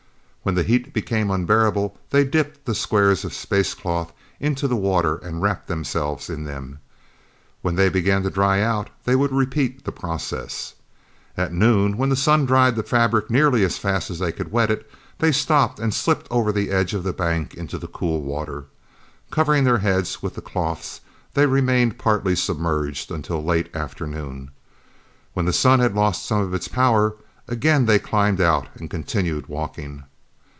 When the heat became unbearable, they dipped the squares of space cloths into the water and wrapped themselves in them. When they began to dry out, they would repeat the process. At noon, when the sun dried the fabric nearly as fast as they could wet it, they stopped and slipped over the edge of the bank into the cool water. Covering their heads with the cloths they remained partly submerged until the late afternoon. When the sun had lost some of its power, again they climbed out and continued walking.